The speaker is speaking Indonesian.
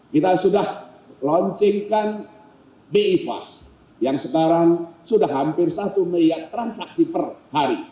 kita sudah launchingkan bi fast yang sekarang sudah hampir satu miliar transaksi per hari